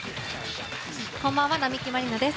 こんばんは、並木万里菜です。